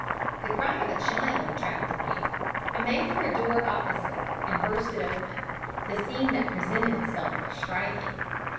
The cry of a child attracted me. I made for a door opposite, and burst it open. The scene that presented itself was striking.